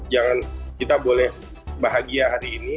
jangan kita boleh bahagia hari ini